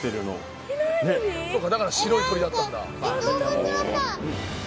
だから白い鳥だったんだ。